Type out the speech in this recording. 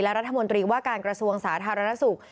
รัฐมนตรีว่าการกระทรวงสาธารณสุข